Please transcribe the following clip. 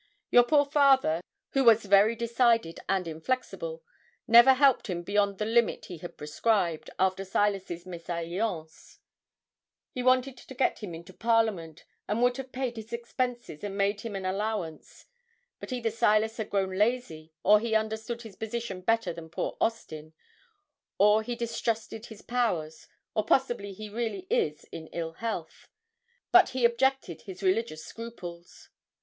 Your poor father, who was very decided and inflexible, never helped him beyond the limit he had prescribed, after Silas's mésalliance. He wanted to get him into Parliament, and would have paid his expenses, and made him an allowance; but either Silas had grown lazy, or he understood his position better than poor Austin, or he distrusted his powers, or possibly he really is in ill health; but he objected his religious scruples.